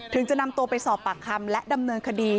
จะนำตัวไปสอบปากคำและดำเนินคดี